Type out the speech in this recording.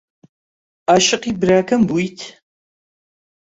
عاشقی براکەم بوویت؟